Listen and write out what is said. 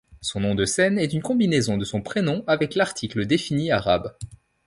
Son nom de scène est une combinaison de son prénom avec l'article défini arabe.